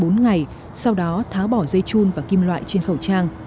trong bốn ngày sau đó tháo bỏ dây chun và kim loại trên khẩu trang